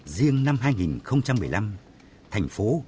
riêng năm hai nghìn một mươi năm thành phố